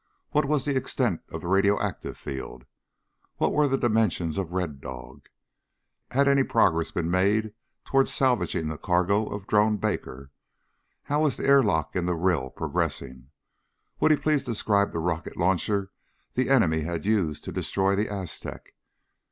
What was the extent of the radioactive field? What were the dimensions of Red Dog? Had any progress been made toward salvaging the cargo of Drone Baker? How was the airlock in the rill progressing? Would he please describe the rocket launcher the enemy had used to destroy the Aztec?